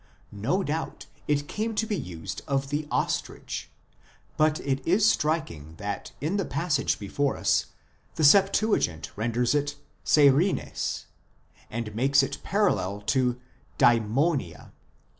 15 ; no doubt it came to be used of the ostrich, but it is striking that in the passage before us the Septuagint renders it veiprives l and makes it parallel to Batfwvia.